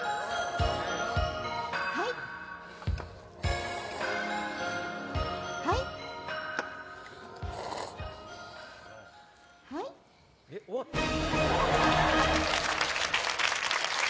はいはいはいえっ終わった？